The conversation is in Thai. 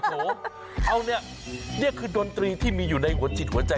หนูเอาเนี่ยนี่คือดนตรีที่มีอยู่ในหัวจิตหัวใจ